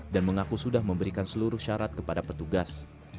dan mengaku sudah memberikan seluruh syarat kepada petugas